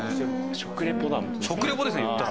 食リポですね言ったら。